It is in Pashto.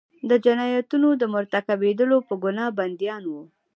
د جنایتونو مرتکبیدلو په ګناه بندیان وو.